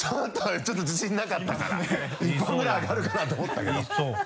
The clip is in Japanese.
ちょっと自信なかったから１本ぐらいあがるかなと思ったけど。